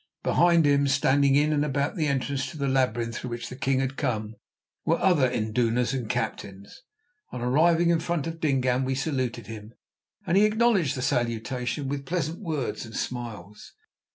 Behind him, standing in and about the entrance to the labyrinth through which the king had come, were other indunas and captains. On arriving in front of Dingaan we saluted him, and he acknowledged the salutation with pleasant words and smiles.